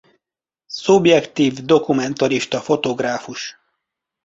Szubjektív-dokumentarista fotográfus.